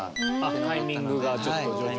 タイミングがちょっと徐々にね。